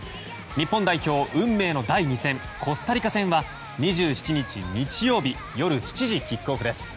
日本代表、運命の第２戦コスタリカ戦は２７日、日曜日夜７時キックオフです。